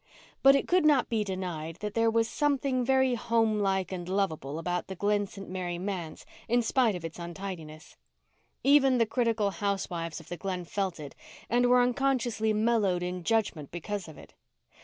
But it could not be denied that there was something very homelike and lovable about the Glen St. Mary manse in spite of its untidiness. Even the critical housewives of the Glen felt it, and were unconsciously mellowed in judgment because of it.